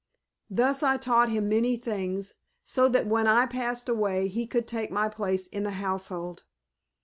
Thus I taught him many things, so that when I passed away he could take my place in the household.